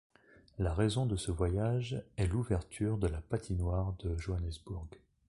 La raison de ce voyage est l'ouverture de la patinoire de Johannesburg.